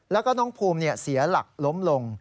แล้วก็น้องภูมิเสียหลักล้มลง